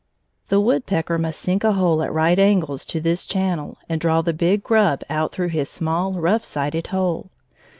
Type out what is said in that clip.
The woodpecker must sink a hole at right angles to this channel and draw the big grub out through his small, rough sided hole.